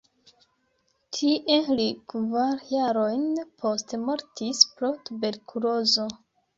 Tie li kvar jarojn poste mortis pro tuberkulozo.